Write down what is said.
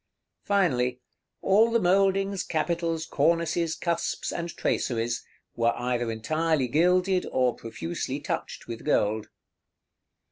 Finally, all the mouldings, capitals, cornices, cusps, and traceries, were either entirely gilded or profusely touched with gold.